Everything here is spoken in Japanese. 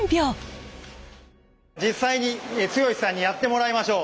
実際に剛さんにやってもらいましょう。